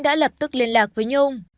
đã lập tức liên lạc với nhung